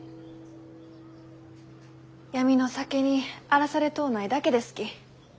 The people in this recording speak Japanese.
闇の酒に荒らされとうないだけですき。